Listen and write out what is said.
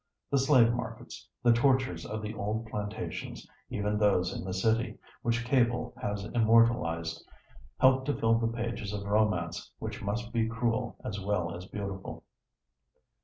The slave markets, the tortures of the old plantations, even those in the city, which Cable has immortalized, help to fill the pages of romance, which must be cruel as well as beautiful.